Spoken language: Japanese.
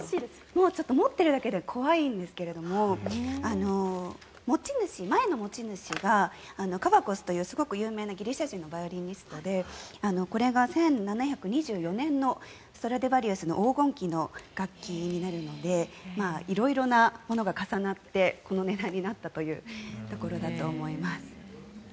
持ってるだけで怖いんですけども前の持ち主がカバコスという、すごく有名なギリシャ人のバイオリニストでこれが１７２４年のストラディバリウスの黄金期の楽器になるので色々なものが重なってこの値段になったというところだと思います。